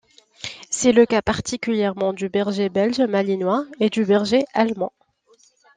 C'est le cas particulièrement du berger belge malinois et du berger allemand.